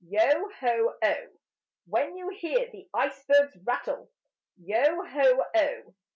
Yo ho oh! When you hear the icebergs rattle, Yo ho oh!